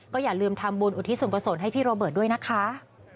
ก็อย่าลืมทำบุญอุทิศูนย์ประสงค์ให้พี่โรเบิร์ตด้วยนะคะ